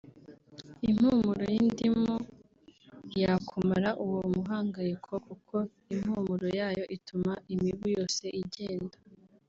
impumuro y’indimu yakumara uwo muhangayiko kuko impumuro yayo ituma imibu yose igenda